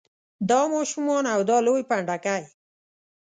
دا ماشومان او دا لوی پنډکی.